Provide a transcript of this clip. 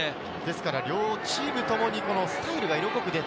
両チームともにスタイルが色濃く出た。